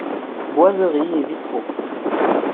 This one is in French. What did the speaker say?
Boiseries et vitraux.